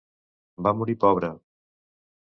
Va morir pobra.